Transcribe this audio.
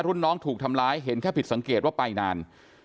รุ่นน้องถูกทำร้ายเห็นแค่ผิดสังเกตว่าไปนาน